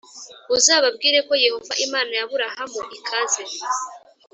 uzababwire ko Yehova Imana ya Aburahamu ikaze